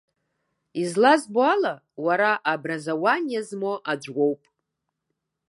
Узлазбо ала, уара абразауаниа змоу аӡәы уоуп.